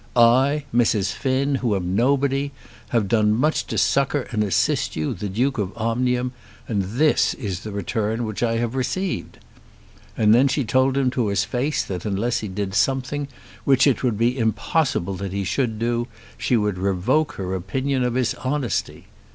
"I, Mrs. Finn, who am nobody, have done much to succour and assist you, the Duke of Omnium; and this is the return which I have received!" And then she told him to his face that unless he did something which it would be impossible that he should do, she would revoke her opinion of his honesty!